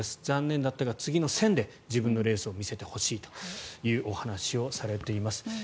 残念だったが次の１０００ｍで自分のレースを見せてほしいというお話をされています。